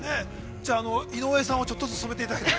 じゃあ、井上さんをちょっとずつ染めていただいて。